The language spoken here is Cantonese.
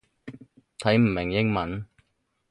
睇唔明英文